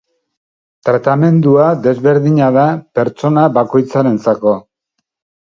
Tratamendua desberdina da pertsona bakoitzarentzako.